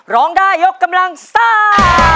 ร้องได้ยกกำลังซ่า